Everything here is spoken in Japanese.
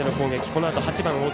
このあと８番、大坪。